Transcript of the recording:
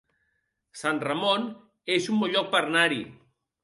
Sant Ramon es un bon lloc per anar-hi